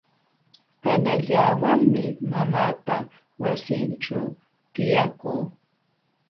Panallawanmi mamaapa wasinćhuu tiyakuu.